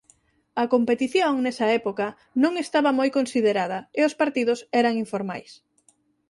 A competición nesa época non estaba moi considerada e os partidos eran informais.